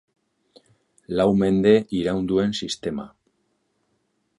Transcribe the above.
Lau mende iraun duen sistema.